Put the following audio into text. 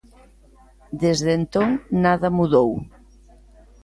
Desde entón, nada mudou.